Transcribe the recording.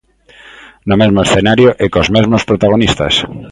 No mesmo escenario e cos mesmos protagonistas.